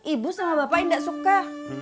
ibu sama bapak enggak suka